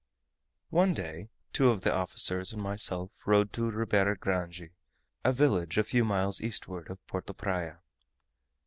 One day, two of the officers and myself rode to Ribeira Grande, a village a few miles eastward of Porto Praya.